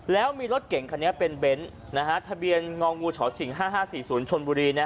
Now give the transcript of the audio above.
แล้วมีรถเก่งคันนี้เป็นเบนท์ทะเบียนงองูฉง๕๕๔๐ชนบุรี